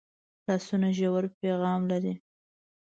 لاسونه ژور پیغام لري